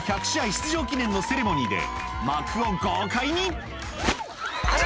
出場記念のセレモニーで幕を豪快にあれ？